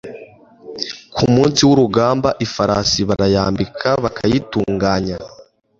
Ku munsi w’urugamba ifarasi barayambika bakayitunganya